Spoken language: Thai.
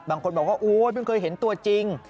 บางคนบอกว่าเคยเห็นตัวจริง